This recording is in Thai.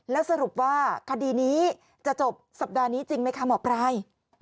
แล้วสรุปว่าคดีนี้จะจบสัปดาห์นี้จริงไหมคะหมอปลาย